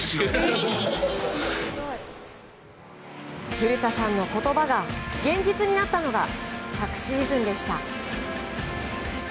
古田さんの言葉が現実になったのが昨シーズンでした。